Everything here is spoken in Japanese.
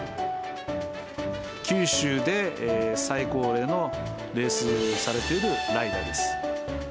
九州で最高齢のレースされているライダーです。